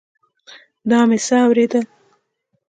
دا مې څه اورېدل.